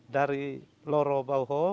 dari loro bauho